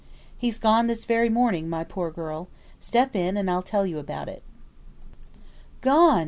"He's gone this very morning, my poor girl. Step in, and I'll tell you about it." "Gone!"